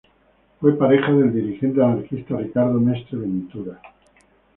Fue pareja del dirigente anarquista Ricardo Mestre Ventura.